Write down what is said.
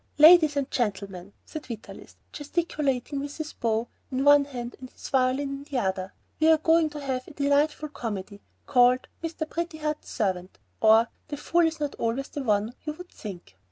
"Ladies and gentlemen," said Vitalis, gesticulating with his bow in one hand and his violin in the other, "we are going to give a delightful comedy, called 'Mr. Pretty Heart's Servant, or the Fool is not Always the One You Would Think.'